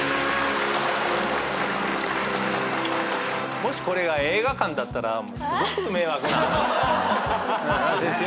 もしこれが映画館だったらすごく迷惑な話ですよ。